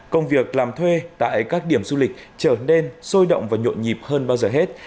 công việc làm thuê tại các điểm du lịch trở nên sôi động và nhộn nhịp hơn bao giờ hết